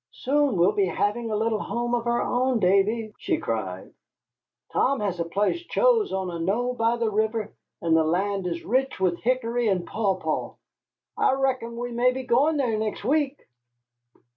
"Soon we'll be having a little home of our own, Davy," she cried; "Tom has the place chose on a knoll by the river, and the land is rich with hickory and pawpaw. I reckon we may be going there next week."